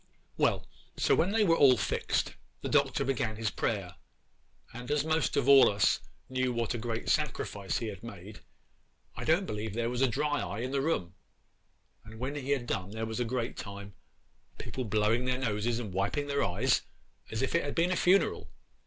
'Well, so when they were all fixed, the Doctor he began his prayer; and as most all of us knew what a great sacrifice he had made, I don't believe there was a dry eye in the room; and when he had done there was a great time—people blowing their noses and wiping their eyes as if it had been a funeral.